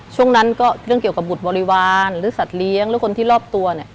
ช่วงนั้นก็เรื่องเกี่ยวกับบุตรบริวารหรือสัตว์เลี้ยงหรือคนที่รอบตัวเนี่ย